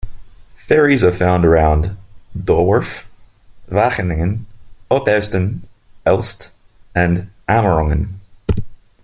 Ferries are found near Doorwerth, Wageningen, Opheusden, Elst and Amerongen.